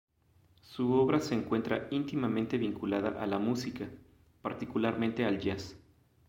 Su obra se encuentra íntimamente vinculada a la música, particularmente al jazz.